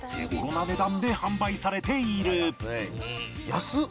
「安っ！」